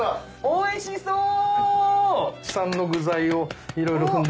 おいしそう！